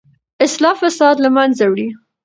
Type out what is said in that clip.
اصلاح فساد له منځه وړي.